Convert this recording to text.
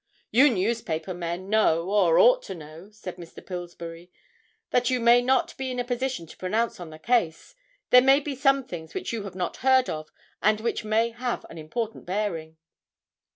"You newspaper men know, or ought to know," said Mr. Pillsbury, "that you may not be in a position to pronounce on the case. There may be some things which you have not heard of and which may have an important bearing."